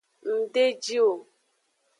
Ng de ji o.